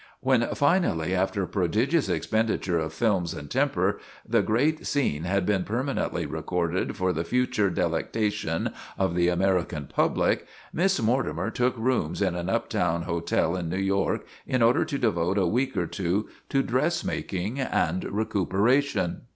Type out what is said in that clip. When finally, after a prodigious expenditure of films and temper, the great scene had been perma nently recorded for the future delectation of the American public, Miss Mortimer took rooms in an uptown hotel in New York in order to devote a week or two to dressmaking and recuperation.